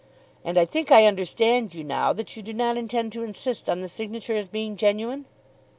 "And I think I understand you now that you do not intend to insist on the signature as being genuine."